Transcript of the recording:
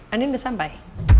andien udah sampai